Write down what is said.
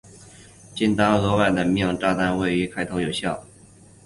仅当没有额外的命时炸弹才对于头目有效。